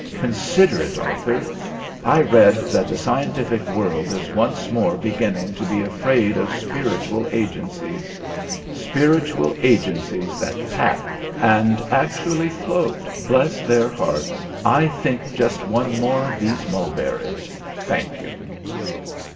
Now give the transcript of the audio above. Consider it, Arthur. I read that the scientific world is once more beginning to be afraid of spiritual agencies. Spiritual agencies that tap, and actually float, bless their hearts! I think just one more of those mulberries thank you.